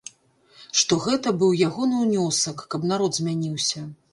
Што гэта быў ягоны ўнёсак, каб народ змяніўся.